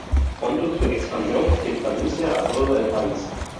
Pronto su expansión se traduce a todo el país.